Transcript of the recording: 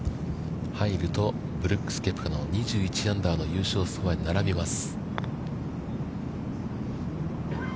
入ると、ブルックス・ケプカの２１アンダーの優勝スコアに並びます。